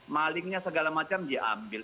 malingnya segala macam diambil